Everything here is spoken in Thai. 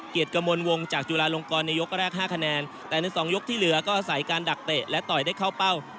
กระมวลวงจากจุฬาลงกรในยกแรก๕คะแนนแต่ในสองยกที่เหลือก็ใส่การดักเตะและต่อยได้เข้าเป้า